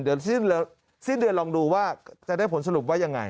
เดี๋ยวสิ้นเดือนลองดูว่าจะได้ผลสรุปว่ายังไง